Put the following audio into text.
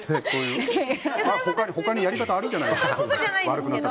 他にやり方あるんじゃないですか。